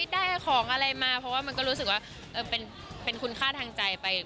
ได้ของอะไรมาเพราะว่ามันก็รู้สึกว่าเป็นคุณค่าทางใจไป